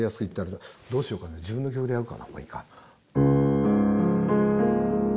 どうしようかな自分の曲でやるかまあいいか。